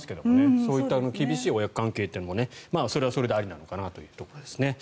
そういった厳しい親子関係もそれはそれでありなのかなということですね。